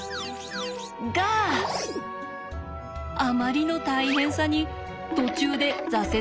があまりの大変さに途中で挫折してしまったそうです。